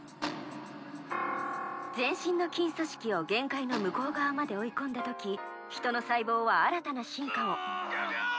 全身の筋組織を限界の向こう側まで追い込んだ時ヒトの細胞は新たな進化をアアーッ！